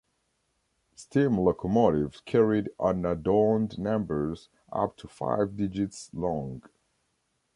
Steam locomotives carried unadorned numbers up to five digits long.